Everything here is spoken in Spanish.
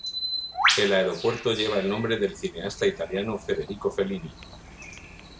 El aeropuerto lleva el nombre del cineasta italiano Federico Fellini.